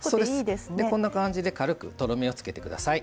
こんな感じで軽くとろみをつけてください。